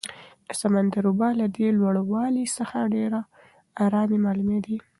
د سمندر اوبه له دې لوړوالي څخه ډېرې ارامې معلومېدې.